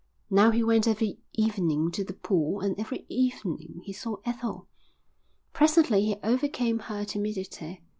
Now he went every evening to the pool and every evening he saw Ethel. Presently he overcame her timidity.